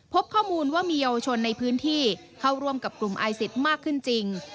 พบข้อมูลว่ามีเยาวชนในพื้นที่เข้าร่วมกับกลุ่มไอซิสมากขึ้นจริง